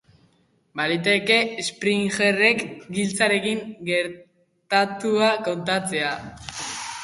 Baliteke Springerrek giltzarekin gertatua kontatzea.